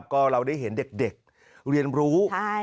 ก็เราได้เห็นเด็กเรียนรู้